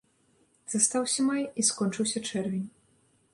Застаўся май, і скончыўся чэрвень.